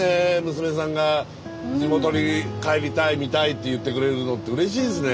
娘さんが地元に帰りたい見たいって言ってくれるのってうれしいですね。